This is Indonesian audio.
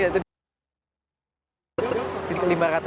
yaitu di tempat tempat lima ratus